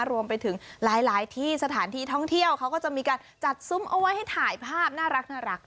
รวมไปถึงหลายที่สถานที่ท่องเที่ยวเขาก็จะมีการจัดซุ้มเอาไว้ให้ถ่ายภาพน่ารัก